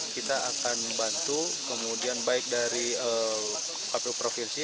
kita akan bantu kemudian baik dari kpu provinsi